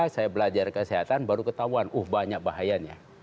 saya belajar kesehatan baru ketahuan uh banyak bahayanya